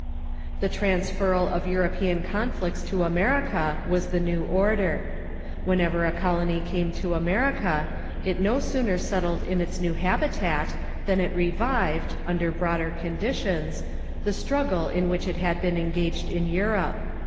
The transferral of European conflicts to America was the new order. "Whenever a colony came to America, it no sooner settled in its new habitat than it revived, under on New* Ground ^i"<^>!i<3er conditions, the struggle in which it had been engaged in Europe.